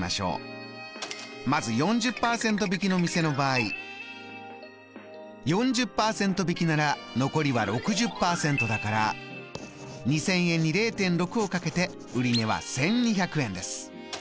まず４０％引きの店の場合４０％引きなら残りは６０％だから２０００円に０．６を掛けて売値は１２００円です。